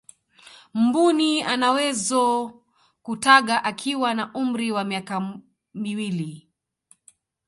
mbuni anawezo kutaga akiwa na umri wa miaka miwili